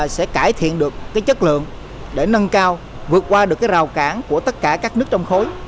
sẽ cải thiện được chất lượng để nâng cao vượt qua được rào cản của tất cả các nước trong khối